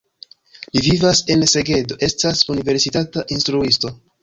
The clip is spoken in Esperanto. Li vivas en Segedo, estas universitata instruisto.